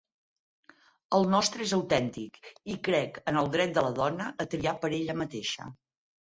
El nostre és autèntic i crec en el dret de la dona a triar per ella mateixa.